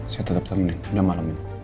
saya tetap temenin udah malam ini